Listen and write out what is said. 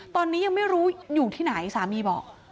ตอนนี้ยังไม่รู้อยู่ที่ไหนสามีบอก